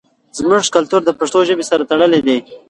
زموږ کلتور د پښتو ژبې سره تړلی دی.